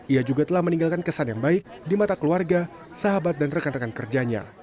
ia juga telah meninggalkan kesan yang baik di mata keluarga sahabat dan rekan rekan kerjanya